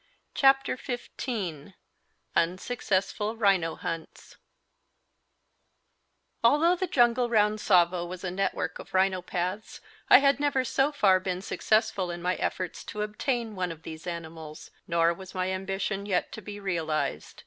CHAPTER XV UNSUCCESSFUL RHINO HUNTS Although the jungle round Tsavo was a network of rhino paths I had never so far been successful in my efforts to obtain one of these animals, nor was my ambition yet to be realised.